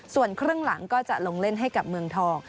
ส่วนครึ่งหลังก็จะลงเล่นให้กับเมืองทอง